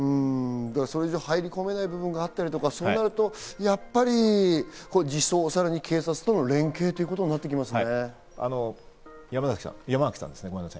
それ以上、入り込めない部分があったりとか、そうなるとやっぱり児相、さらに警察との連携ということになりますね。